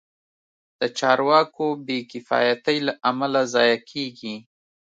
د چارواکو بې کفایتۍ له امله ضایع کېږي.